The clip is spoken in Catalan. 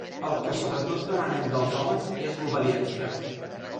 El que sobretot demanen dels homes és l'obediència.